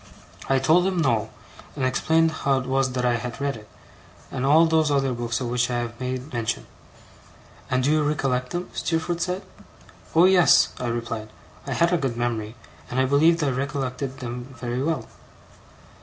I told him no, and explained how it was that I had read it, and all those other books of which I have made mention. 'And do you recollect them?' Steerforth said. 'Oh yes,' I replied; I had a good memory, and I believed I recollected them very well.